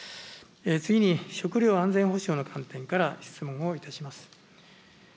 次に食料安全保障の観点から質問をいたします。